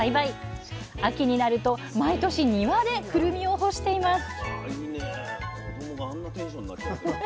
秋になると毎年庭でくるみを干しています